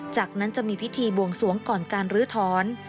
จากนั้นจะมีพิธีบวงสวงก่อนการลื้อถอน